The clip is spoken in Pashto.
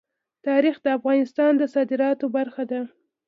تاریخ د افغانستان د صادراتو برخه ده.